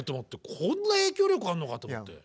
こんな影響力あるのかと思って。